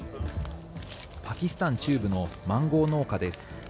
パキスタン中部のマンゴー農家です。